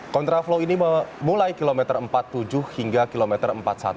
kontraflow ini mulai kilometer empat puluh tujuh hingga kilometer empat puluh satu